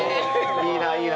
いいないいな！